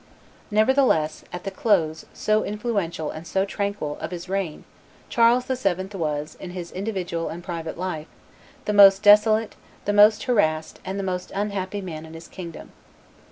Nevertheless, at the close, so influential and so tranquil, of his reign, Charles VII. was, in his individual and private life, the most desolate, the most harassed, and the most unhappy man in his kingdom.